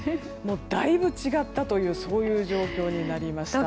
だいぶ違ったというそういう状況になりました。